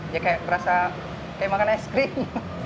dia kayak berasa kayak makan es krim